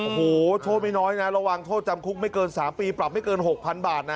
โอ้โหโทษไม่น้อยนะระวังโทษจำคุกไม่เกิน๓ปีปรับไม่เกิน๖๐๐๐บาทนะ